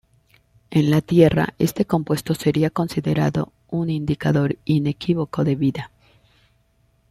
En la Tierra, este compuesto sería considerado un ""indicador inequívoco de vida"".